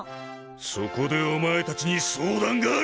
そこでおまえたちに相談がある！